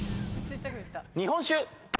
日本酒！